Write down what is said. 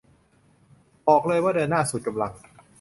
บอกเลยว่าเดินหน้าสุดกำลัง